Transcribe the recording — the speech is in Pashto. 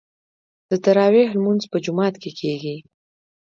د تراويح لمونځ په جومات کې کیږي.